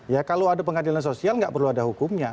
ya kalau ada pengadilan sosial nggak perlu ada hukumnya